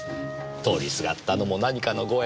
通りすがったのも何かのご縁。